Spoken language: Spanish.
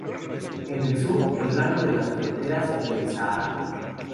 En el sur, el rango de las fronteras del Sáhara.